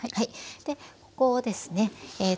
でここをですね